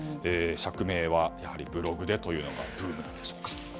釈明はブログでというのがブームなんでしょうか。